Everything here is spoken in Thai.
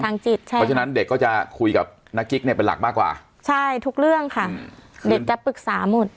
เพราะฉะนั้นเด็กก็จะคุยกับนักกิ๊กเนี่ยเป็นหลักมากกว่าใช่ทุกเรื่องค่ะเด็กจะปรึกษาหมด